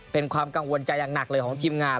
เป็นความกังวลใจอย่างหนักเลยของทีมงาน